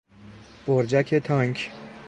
برجک تانک